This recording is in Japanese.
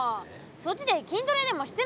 そっちで筋トレでもしてなさい！